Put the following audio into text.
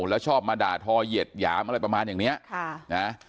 แล้วชอบมาด่าทอเหยียดหยามอะไรประมาณอย่างเนี้ยค่ะนะ